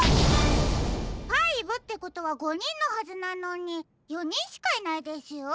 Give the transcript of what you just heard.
５ってことは５にんのはずなのに４にんしかいないですよ。